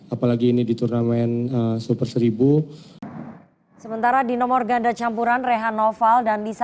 apalagi ini di turnamen